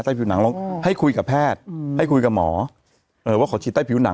ผิวหนังลงให้คุยกับแพทย์ให้คุยกับหมอเอ่อว่าขอฉีดใต้ผิวหนัง